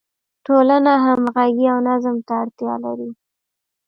ټولنه همغږي او نظم ته اړتیا لري.